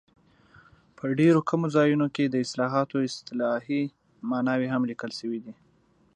په ډېرو کمو ځایونو کې د اصطلاحاتو اصطلاحي ماناوې هم لیکل شوي دي.